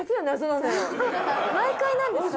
毎回なんですか？